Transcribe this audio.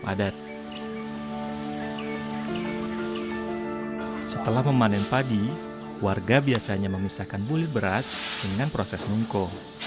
padat setelah memanen padi warga biasanya memisahkan bulir beras dengan proses mungko